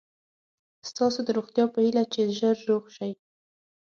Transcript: ستاسو د روغتیا په هیله چې ژر روغ شئ.